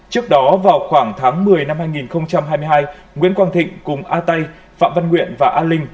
trước đó vào khoảng tháng một mươi năm hai nghìn hai mươi hai nguyễn quang thịnh cùng a tay phạm văn nguyện và a linh